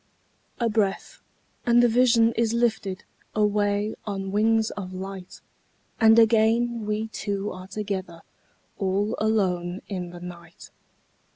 A breath, and the vision is lifted Away on wings of light, And again we two are together, All alone in the night.